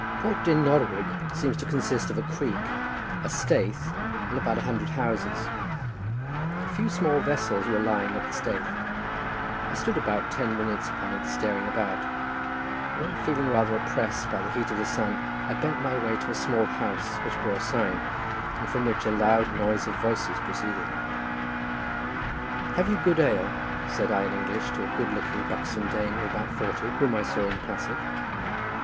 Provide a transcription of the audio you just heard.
Port Dyn Norwig seems to consist of a creek, a staithe, and about a hundred houses: a few small vessels were lying at the staithe. I stood about ten minutes upon it staring about, and then feeling rather oppressed by the heat of the sun, I bent my way to a small house which bore a sign, and from which a loud noise of voices proceeded. "Have you good ale?" said I in English to a good looking buxom dame, of about forty, whom I saw in the passage.